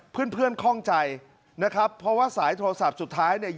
เพื่อนเพื่อนคล่องใจนะครับเพราะว่าสายโทรศัพท์สุดท้ายเนี่ย